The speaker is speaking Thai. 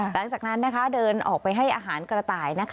หลังจากนั้นเดินออกไปให้อาหารกระต่าย